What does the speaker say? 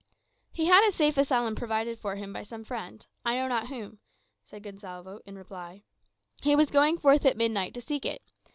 "He had a safe asylum provided for him by some friend I know not whom," said Gonsalvo, in reply. "He was going forth at midnight to seek it.